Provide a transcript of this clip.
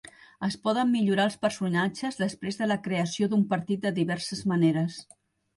Es poden millorar els personatges després de la creació d'un partit de diverses maneres.